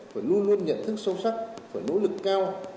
phải luôn luôn nhận thức sâu sắc và nỗ lực cao